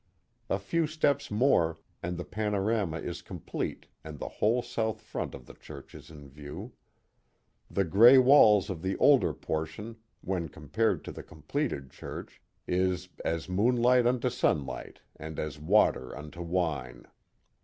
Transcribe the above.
A few steps more and the panorama is complete and the whole south front of the church is in view. The gray walls of the older portion when compared to the completed church is as moon light unto sunlight and as water unto wine."